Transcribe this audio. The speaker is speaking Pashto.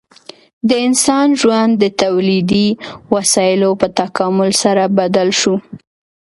د انسان ژوند د تولیدي وسایلو په تکامل سره بدل شو.